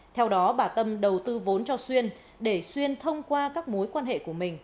theo đó bà tâm đầu tư vốn cho xuyên để xuyên thông qua các mối quan hệ của mình